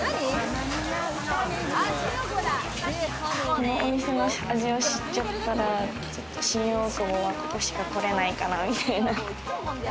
このお店の味を知っちゃったら、新大久保は、ここしかこれないかなみたいな。